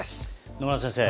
野村先生